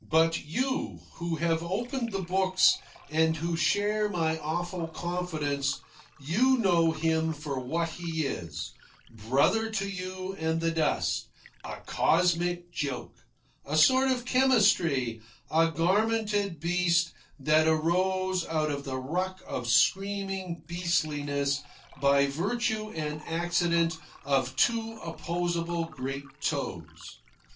"But you, who have opened the books and who share my awful confidence you know him for what he is, brother to you and the dust, a cosmic joke, a sport of chemistry, a garmented beast that arose out of the ruck of screaming beastliness by virtue and accident of two opposable great toes.